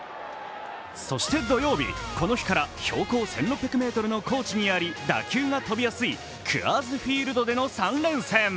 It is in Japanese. そして土曜日、この日から標高１６００ｍの高地にあり打球が飛びやすいクアーズ・フィールドでの３連戦。